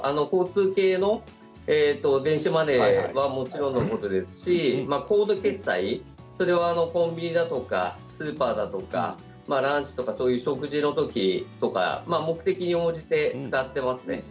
交通系の電子マネーはもちろんのことですしコード決済とか、コンビニだとかスーパーだとかランチとかそういう食事のときとか目的に応じて使っていきますね。